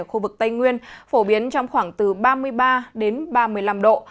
ở khu vực tây nguyên phổ biến trong khoảng từ ba mươi ba đến ba mươi năm độ